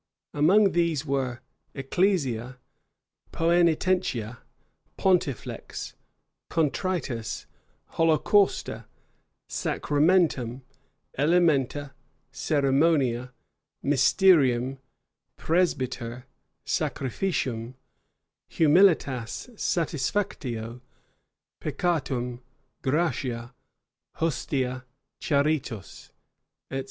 [] Among these were "ecclesia, poenitentia, pontifex, contritus, holocausta, sacramentum, elementa, ceremonia, mysterium, presbyter, sacrificium, humilitas, satisfactio, peccatum, gratia, hostia, charitos," etc.